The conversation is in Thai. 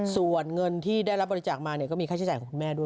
ส่วนเงินที่ได้รับบริจาคมาก็มีค่าใช้จ่ายของคุณแม่ด้วย